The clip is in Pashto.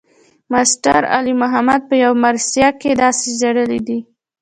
ماسټر علي محمد پۀ يو مرثيه کښې داسې ژړلے دے